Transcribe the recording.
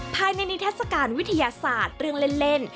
ภายในนิทัศกาลวิทยาศาสตร์เรื่องเล่น